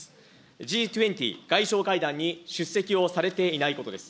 Ｇ２０外相会談に出席をされていないことです。